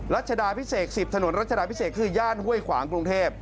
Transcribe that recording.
รัชดาพิเศษ๑๐ถนนรัชดาพิเศษคือย่านห้วยขวางกรุงเทพ